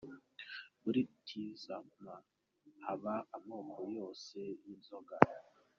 Muri Tizama haba amoko yose y'inzoga.